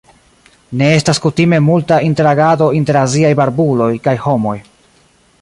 Ne estas kutime multa interagado inter aziaj barbuloj kaj homoj.